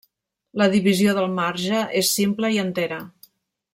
La divisió del marge és simple i entera.